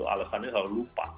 alasannya selalu lupa